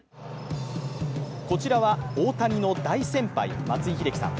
こちらは大谷の大先輩、松井秀喜さん。